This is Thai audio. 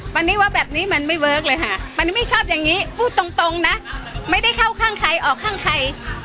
วันนี้ว่าแบบนี้มันไม่เวิร์คเลยค่ะมันไม่ชอบอย่างนี้พูดตรงนะไม่ได้เข้าข้างใครออกข้างใคร